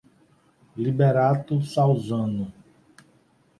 Liberato Salzano